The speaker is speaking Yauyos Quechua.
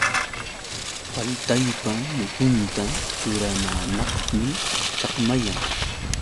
Paltaypa muhunta churananapqmi chakmayan.